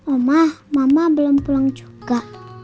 omah mama belum pulang juga